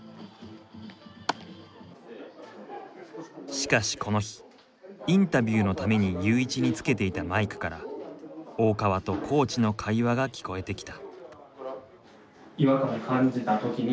しかしこの日インタビューのためにユーイチに付けていたマイクから大川とコーチの会話が聞こえてきた。